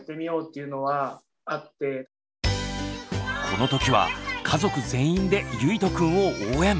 この時は家族全員でゆいとくんを応援。